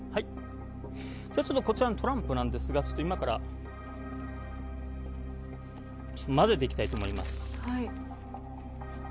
ちょっとこちらのトランプなんですが、ちょっと今からちょっと混ぜていきたいと思います。